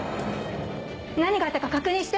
何があったか確認して！